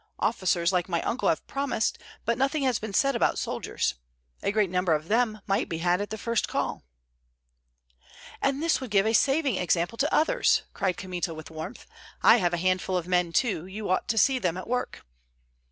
Officers, like my uncle, have promised, but nothing has been said about soldiers; a great number of them might be had at the first call." "And this would give a saving example to others!" cried Kmita, with warmth. "I have a handful of men too, you ought to see them at work."